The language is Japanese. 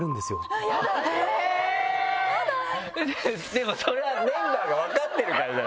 でもそれはメンバーが分かってるからじゃないの？